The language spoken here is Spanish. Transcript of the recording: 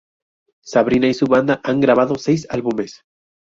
Sabrina y su banda han grabado seis álbumes.